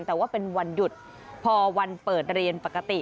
แต่ว่าเป็นวันหยุดพอวันเปิดเรียนปกติ